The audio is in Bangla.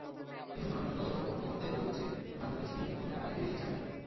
কিন্তু মামলার তদন্ত কর্মকর্তাই বলেছেন, বাংলাদেশ থেকে কোনো টাকা বিদেশে যায়নি।